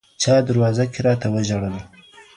چـا دروازه كي راتـه وژړل